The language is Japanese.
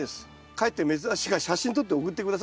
かえって珍しいから写真撮って送って下さい。